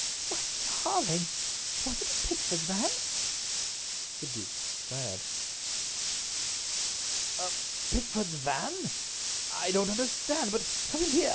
"My darling! Was it a Pickford's van?" The duke stared. "A Pickford's van? I don't understand. But come in here.